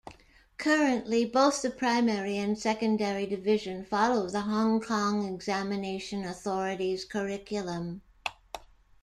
Currently, both the Primary and Secondary Division follow the Hong Kong Examination Authority's curriculum.